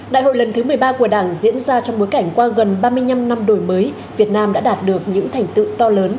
đại hội lần thứ một mươi ba của đảng diễn ra trong bối cảnh qua gần ba mươi năm năm đổi mới việt nam đã đạt được những thành tựu to lớn